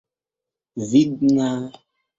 видно